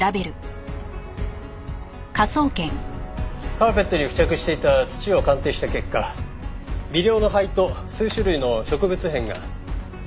カーペットに付着していた土を鑑定した結果微量の灰と数種類の植物片が検出できました。